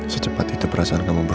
secepat itu perasaan kamu